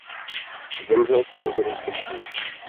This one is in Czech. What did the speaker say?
Zemřel přirozenou smrtí.